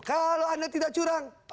kalau anda tidak curang